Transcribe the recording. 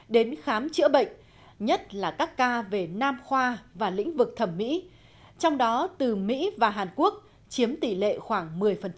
đến khám chữa bệnh nhất là các ca về nam khoa và lĩnh vực thẩm mỹ trong đó từ mỹ và hàn quốc chiếm tỷ lệ khoảng một mươi